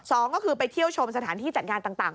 สองก็คือไปเที่ยวชมสถานที่จัดงานต่าง